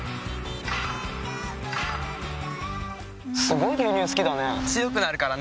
「すごい牛乳好きだね」